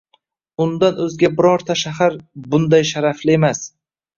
Undan o‘zga birorta shahar bunday sharafli emas.